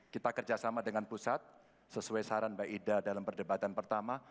kita kerjasama dengan pusat sesuai saran mbak ida dalam perdebatan pertama